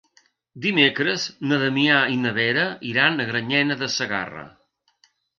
Dimecres na Damià i na Vera iran a Granyena de Segarra.